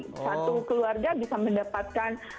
satu keluarga bisa mendapatkan